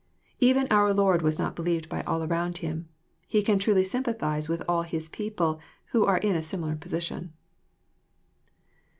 Even our Lord was not believed by all around Him. He can truly sympathize with all His people who are in a similar position.